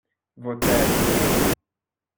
Vos têtes.